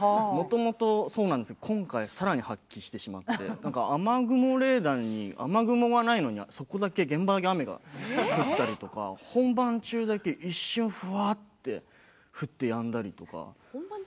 もともとそうなんですが今回さらに発揮してしまって雨雲が雨雲レーダーにないのにそこだけ雨降ったり本番中だけ一瞬、ふわっと降ってやんだりとか。